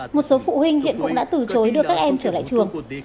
một số phụ huynh hiện cũng đã từ chối đưa các em trở lại trường